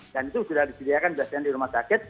dan itu sudah disediakan biasanya di rumah sakit